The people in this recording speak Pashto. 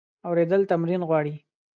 اورېدل تمرین غواړي.